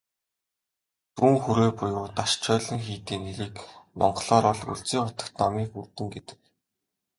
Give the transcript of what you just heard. Зүүн хүрээ буюу "Дашчойлин" хийдийн нэрийг монголоор бол "Өлзий хутагт номын хүрдэн" гэдэг.